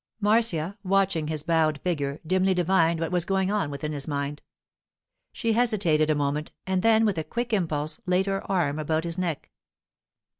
Marcia, watching his bowed figure, dimly divined what was going on within his mind. She hesitated a moment, and then with a quick impulse laid her arm about his neck.